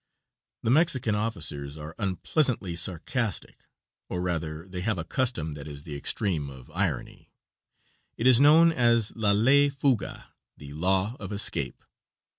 The Mexican officers are unpleasantly sarcastic, or rather they have a custom that is the extreme of irony. It is known as la ley fuga (the law of escape).